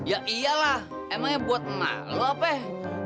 ya iyalah emangnya buat malu apa